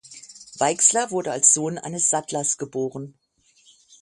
Weixler wurde als Sohn eines Sattlers geboren.